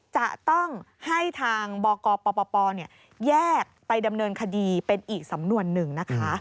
จะต้องให้ทางบกปปแยกไปดำเนินคดีเป็นอีกสำนวนหนึ่งนะคะ